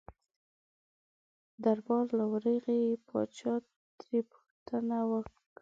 دربار له ورغی پاچا ترې پوښتنه وکړله.